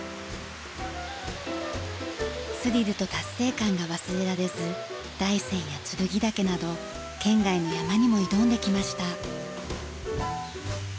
スリルと達成感が忘れられず大山や剱岳など県外の山にも挑んできました。